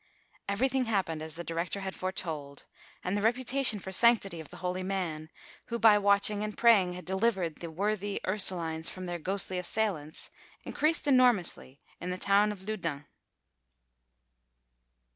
Everything happened as the director had foretold, and the reputation for sanctity of the holy man, who by watching and praying had delivered the worthy Ursulines from their ghostly assailants, increased enormously in the town of Loudun.